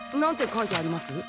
書いてあります？